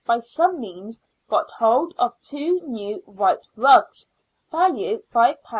by some means got hold of two new white rugs, value ;^5 4s.